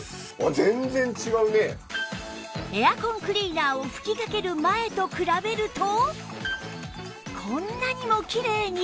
エアコンクリーナーを吹きかける前と比べるとこんなにもきれいに